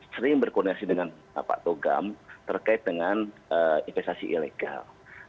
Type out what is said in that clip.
sering berkoordinasi dengan pak togam terkait dengan investasi ilegal